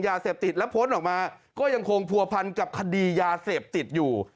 ยาเสพติดแล้วพ้นออกมาก็ยังคงผัวพันกับคดียาเสพติดอยู่